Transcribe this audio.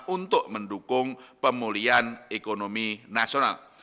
untuk mendukung pemulihan ekonomi nasional